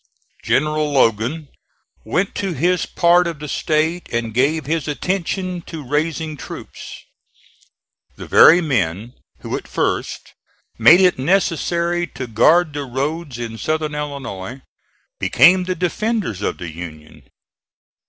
General Logan went to his part of the State and gave his attention to raising troops. The very men who at first made it necessary to guard the roads in southern Illinois became the defenders of the Union.